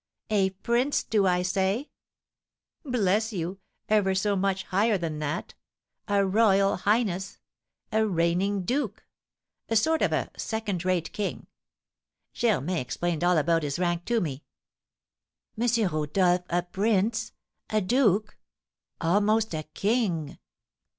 A prince, do I say? Bless you, ever so much higher than that! A royal highness! a reigning duke! a sort of a second rate king! Germain explained all about his rank to me!" "M. Rodolph a prince! a duke! almost a king!"